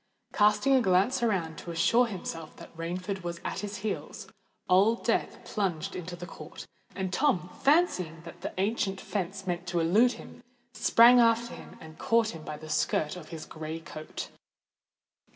Casting a glance around, to assure himself that Rainford was at his heels, Old Death plunged into the court; and Tom, fancying that the ancient fence meant to elude him, sprang after him and caught him by the skirt of his grey coat.